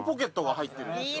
入ってるんですよ。